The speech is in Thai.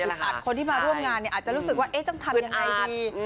อัดคนที่มาร่วมงานเนี่ยอาจจะรู้สึกว่าต้องทำยังไงดี